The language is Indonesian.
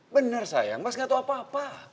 bener sayang mas gak tau apa apa